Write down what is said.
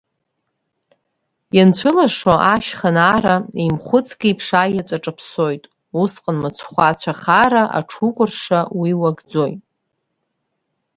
Ианцәылашо ашьха наара, еимхәыцк еиԥш аиаҵә аҿаԥсоит, усҟан мыцхәы ацәа хаара аҽукәырша уи уакӡоит.